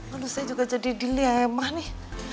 aduh saya juga jadi dilema nih